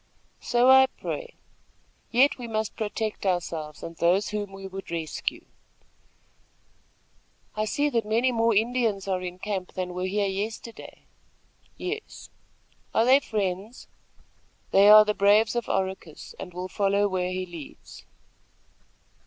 "So I pray; yet we must protect ourselves and those whom we would rescue." "I see that many more Indians are in camp than were here yesterday." "Yes." "Are they friends?" "They are the braves of Oracus, and will follow where he leads."